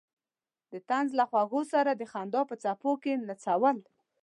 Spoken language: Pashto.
د طنز له خوږو سره د خندا په څپو کې نڅول.